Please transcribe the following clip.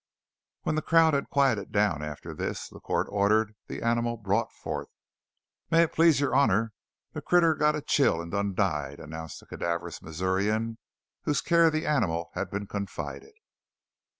When the crowd had quieted down after this, the court ordered the animal brought forth. "May it please y'r honour, the critter got a chill and done died," announced the cadaverous Missourian, to whose care the animal had been confided.